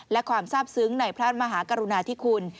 และความทราบซึ้งในพระมหากรุณาธิคุณ